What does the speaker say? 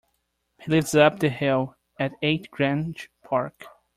He lives up the hill, at eight Grange Park